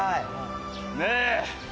ねえ。